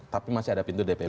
tapi masih ada pintu dpp